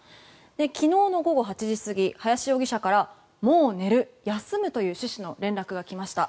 昨日午後８時過ぎ林容疑者からもう寝る、休むという趣旨の連絡が来ました。